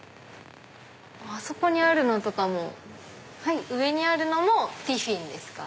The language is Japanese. あそこにあるのとかも上にあるのもティフィンですか？